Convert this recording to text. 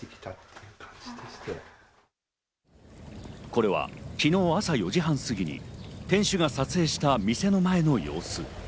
これは昨日、朝４時半過ぎに店主が撮影した店の前の様子。